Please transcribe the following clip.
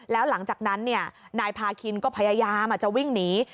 แล้วหลังจากนั้นนายพาคินก็พยายามจะวิ่งหนี